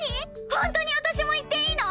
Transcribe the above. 本当に私も行っていいの！？